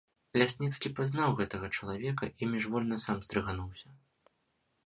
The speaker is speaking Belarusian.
Лясніцкі пазнаў гэтага чалавека і міжвольна сам здрыгануўся.